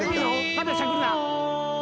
まだしゃくるな。